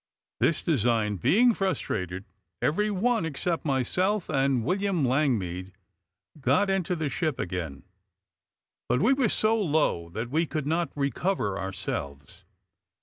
This design being frustrated, every one, except myself and William Langmead, got into the ship again; but we were so low that we could not recover ourselves.